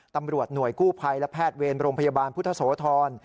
ตำรวจหน่วยกู้ภัยและแพทย์เวรโรงพยาบาลพุทธโสธร